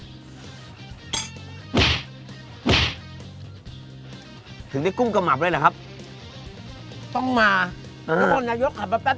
อืมถึงได้กุ้มกะหมับด้วยเหรอครับต้องมาอืมแล้วก็นายก็ขับแป๊บ